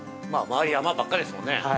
◆周り、山ばっかりですもんね。